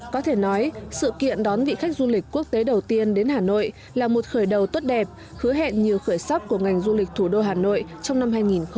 có thể nói sự kiện đón vị khách du lịch quốc tế đầu tiên đến hà nội là một khởi đầu tốt đẹp hứa hẹn nhiều khởi sắc của ngành du lịch thủ đô hà nội trong năm hai nghìn hai mươi